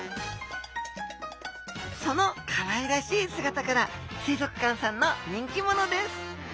そのかわいらしい姿から水族館さんの人気者です